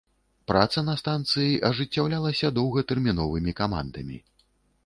Праца на станцыі ажыццяўлялася доўгатэрміновымі камандамі.